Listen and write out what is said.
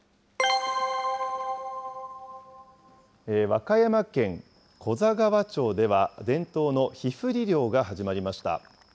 和歌山県古座川町では、伝統の火振り漁が始まりました。